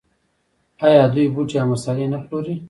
آیا دوی بوټي او مسالې نه پلوري؟